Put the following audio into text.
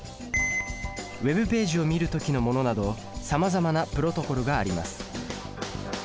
Ｗｅｂページを見る時のものなどさまざまなプロトコルがあります。